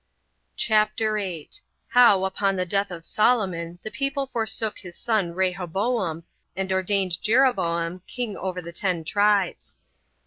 CHAPTER 8. How, Upon The Death Of Solomon The People Forsook His Son Rehoboam, And Ordained Jeroboam King Over The Ten Tribes.